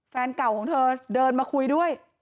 แฟนเก่าของเธอเดินมาคุยด้วย